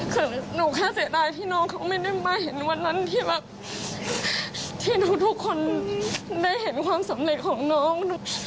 คือหนูแค่เสียดายที่น้องเขาไม่ได้มาเห็นวันนั้นที่รักที่ทุกคนได้เห็นความสำเร็จของน้อง